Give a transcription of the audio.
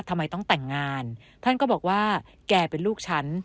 ทำไมต้องแต่งงานท่านก็บอกว่าแกเป็นลูกฉัน